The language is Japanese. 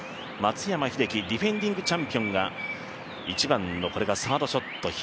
松山英樹、ディフェンディングチャンピオンが１番のこれがサードショット